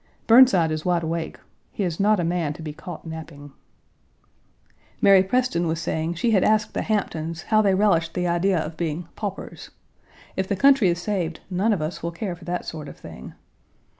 Burnside is wide awake; he is not a man to be caught napping. Mary Preston was saying she had asked the Hamptons how they relished the idea of being paupers. If the country is saved none of us will care for that sort of thing.